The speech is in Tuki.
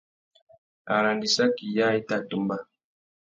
Arandissaki yâā i tà tumba.